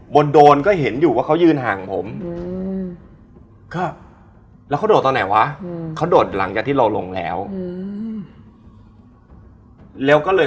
ไม่เคยมาจับแขนเราแล้วแบบขอยาหน่อย